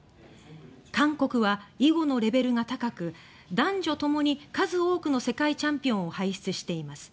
韓国は囲碁のレベルが高く男女ともに数多くの世界チャンピオンを輩出しています。